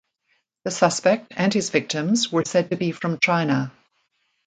The suspect and his victims were said to be from China.